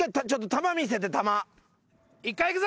１回いくぞ！